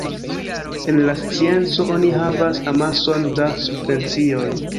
En la scienco oni havas amason da subvencioj.